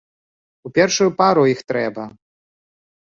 У першую пару іх трэба!